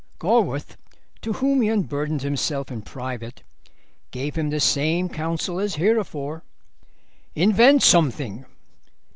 Gorworth, to whom he unburdened himself in private, gave him the same counsel as heretofore. "Invent something."